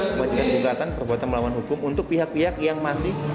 mengajukan gugatan perbuatan melawan hukum untuk pihak pihak yang masih